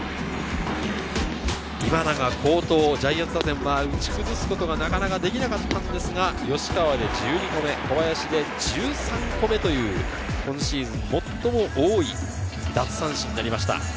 今永、好投、ジャイアンツ打線は打ち崩すことがなかなかできなかったんですが、吉川で１２個目、小林で１３個目という今シーズン最も多い奪三振になりました。